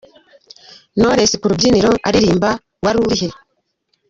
Knowless ku rubyiniro aririmba Wari urihe.